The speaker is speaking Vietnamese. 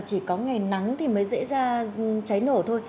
chỉ có ngày nắng thì mới dễ ra cháy nổ thôi